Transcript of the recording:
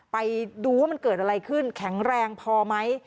ไปดูว่ามันเกิดอะไรขึ้นแข็งแรงพอไหม